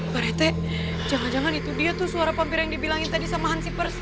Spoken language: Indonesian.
pak rete jangan jangan itu dia tuh suara pampir yang dibilangin tadi sama hansipers